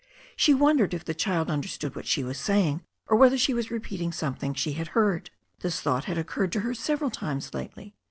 She wondered if the child understood what she was saying, or whether she was repeating something she had heard. This thought had occurred to her several times lately.